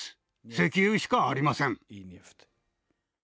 石油しかありません。